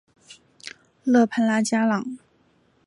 勒潘拉加朗。